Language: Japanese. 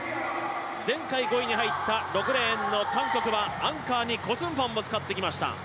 前回５位に入った６レーンの韓国はアンカーにコ・スンファンも使ってきました。